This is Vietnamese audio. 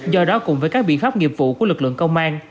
do đó cùng với các biện pháp nghiệp vụ của lực lượng công an